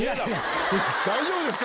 大丈夫ですか？